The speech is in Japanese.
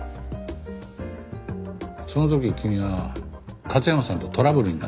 その時君は勝山さんとトラブルになったのかい？